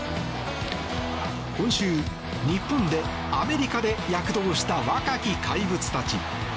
今週、日本で、アメリカで躍動した若き怪物たち。